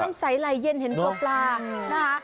น้ำใสไลยิ่งแพงนะคะ